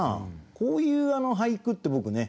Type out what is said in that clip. こういう俳句って僕ね